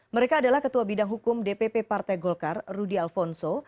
mereka adalah ketua bidang hukum dpp partai golkar rudy alfonso